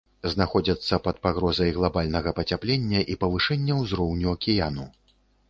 Знаходзяцца пад пагрозай глабальнага пацяплення і павышэння ўзроўню акіяну.